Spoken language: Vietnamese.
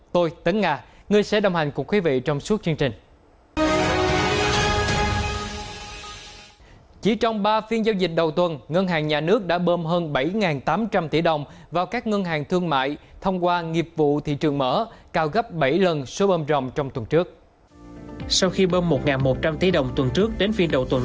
tôi tấn nga ngươi sẽ đồng hành cùng quý vị trong suốt chương trình